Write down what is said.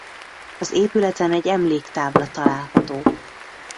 Az épületen egy emléktábla található.